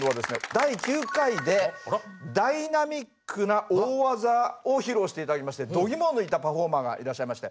第９回でダイナミックな大技を披露して頂きましてどぎもを抜いたパフォーマーがいらっしゃいまして。